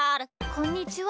こんにちは。